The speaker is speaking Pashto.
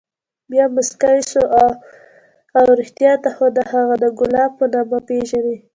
بيا موسكى سو اوه رښتيا ته خو هغه د ګلاب په نامه پېژنې.